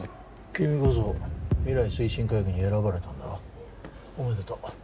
君こそ未来推進会議に選ばれたんだろおめでとう